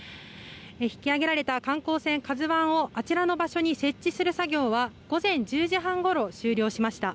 引き揚げられた観光船「ＫＡＺＵ１」をあちらの場所に設置する作業は午前１０時半ごろ終了しました。